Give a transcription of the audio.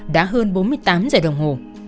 đã hơn bốn mươi tám giờ đồng hồ